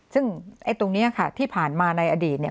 ซึ่งตรงนี้ค่ะที่ผ่านมาในอดีตเนี่ย